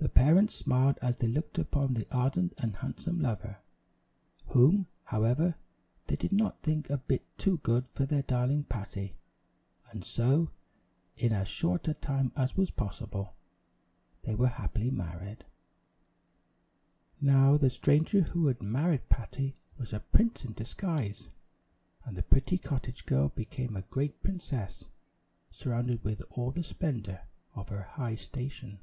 The parents smiled as they looked upon the ardent and handsome lover, whom, however, they did not think a bit too good for their darling Patty; and so, in as short a time as was possible, they were happily married. Now the stranger who had married Patty was a prince in disguise; and the pretty cottage girl became a great princess, surrounded with all the splendor of her high station!